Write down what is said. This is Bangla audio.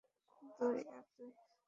দুই আর দুই।